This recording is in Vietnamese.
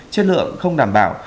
chất lượng không đảm bảo